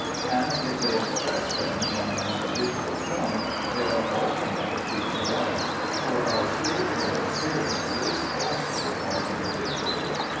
And if they express them in an individual form, they are all the more true to life ; for our spiritual experiences also are individual.